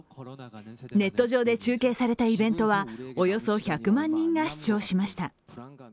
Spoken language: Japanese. ネット上で中継されたイベントはおよそ１００万人が視聴しました。